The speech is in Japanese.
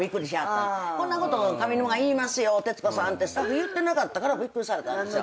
「こんなこと上沼が言いますよ徹子さん」ってスタッフ言ってなかったからびっくりされたんでしょ。